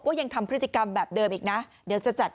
ยังทำพฤติกรรมแบบเดิมอีกนะเดี๋ยวจะจัด